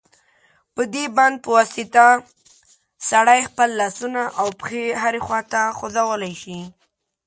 په دې بند په واسطه سړی خپل لاسونه او پښې هرې خواته خوځولای شي.